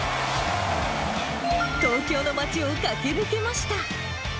東京の街を駆け抜けました。